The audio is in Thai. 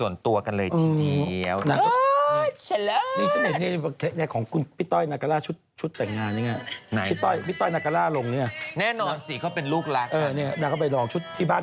อ๋อนักฬรรย์เอกนะครับ